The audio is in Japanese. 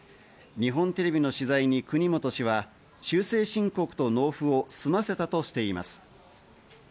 日本テレビの取材に国本氏は修正申告と納付を済ませたとしています。